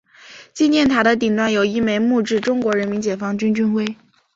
纪念塔的顶端有一枚木质中国人民解放军军徽。